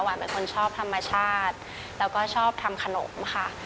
เป็นคนชอบธรรมชาติแล้วก็ชอบทำขนมค่ะ